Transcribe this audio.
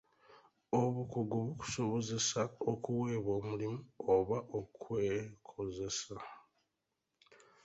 Obukugu bukusobozesa okuweebwa omulimu oba okwekozesa.